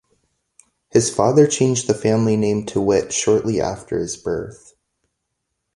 His father changed the family name to Witt shortly after his birth.